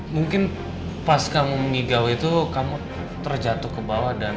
mungkin pas kamu mengigau itu kamu terjatuh ke bawah